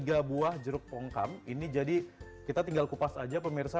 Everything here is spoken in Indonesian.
tiga buah jeruk pongkam ini jadi kita tinggal kupas aja pemirsa